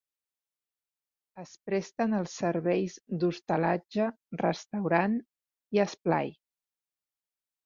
Es presten els serveis d'hostalatge, restaurant i esplai.